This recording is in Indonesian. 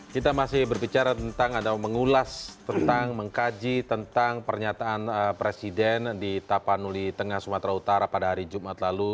kita masih berbicara tentang atau mengulas tentang mengkaji tentang pernyataan presiden di tapanuli tengah sumatera utara pada hari jumat lalu